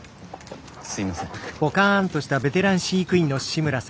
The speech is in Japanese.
すいません。